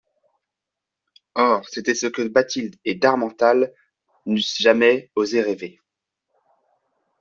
Or, c'était ce que Bathilde et d'Harmental n'eussent jamais osé rêver.